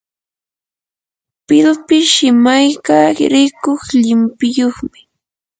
pillpish imayka rikuq llimpiyuqmi.